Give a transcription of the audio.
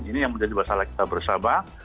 ini yang menjadi masalah kita bersama